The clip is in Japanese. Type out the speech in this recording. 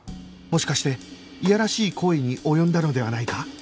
もしかしていやらしい行為に及んだのではないか？